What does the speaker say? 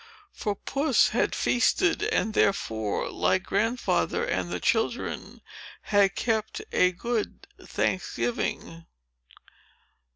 For Puss had feasted, and therefore, like Grandfather and the children, had kept a good Thanksgiving.